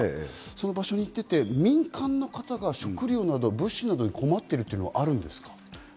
その場所に行っていて、民間の方が食料などの物資に困っているというのはあるんですか？